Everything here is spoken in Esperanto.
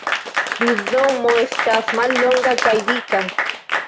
Rizomo estas mallonga kaj dika.